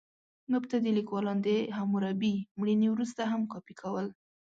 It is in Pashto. مبتدي لیکوالان د حموربي مړینې وروسته هم کاپي کول.